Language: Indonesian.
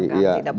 tidak boleh beli